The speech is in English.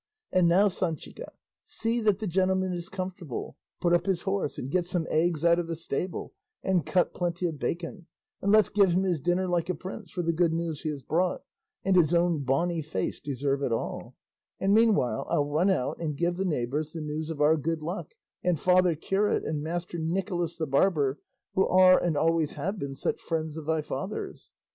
And now, Sanchica, see that the gentleman is comfortable; put up his horse, and get some eggs out of the stable, and cut plenty of bacon, and let's give him his dinner like a prince; for the good news he has brought, and his own bonny face deserve it all; and meanwhile I'll run out and give the neighbours the news of our good luck, and father curate, and Master Nicholas the barber, who are and always have been such friends of thy father's."